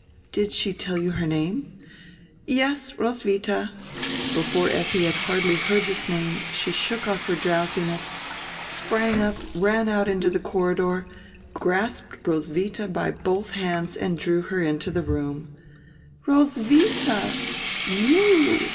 "Did she tell you her name?" "Yes. Roswitha." Before Effi had hardly heard tiiis name she shook off her drowsiness, sprang up, ran out into die corridor, grasped Roswidia by bodi hands and drew her into her room. "Roswitha! You!